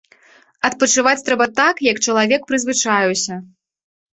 Адпачываць трэба так, як чалавек прызвычаіўся.